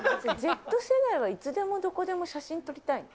Ｚ世代はいつでもどこでも写真撮りたいの？